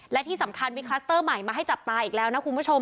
และที่สำคัญมีคลัสเตอร์ใหม่มาให้จับตาอีกแล้วนะคุณผู้ชม